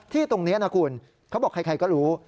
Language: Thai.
ตรงนี้นะคุณเขาบอกใครก็รู้